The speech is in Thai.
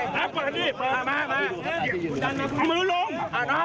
และก็งุ่นยึดออกไป